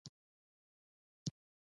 غوږونه د تلویزیون غږ اوري